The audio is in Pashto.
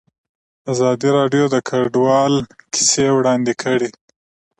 ازادي راډیو د کډوال کیسې وړاندې کړي.